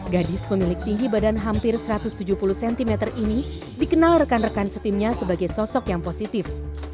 gadis memiliki tinggi badan hampir satu ratus tujuh puluh cm ini dikenal rekan rekan setimnya sebagai sosok yang positif